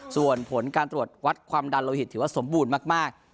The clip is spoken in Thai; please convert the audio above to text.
ส่วนผลการตรวจวัดความดันโลหิตถือว่าสมบูรณ์มาก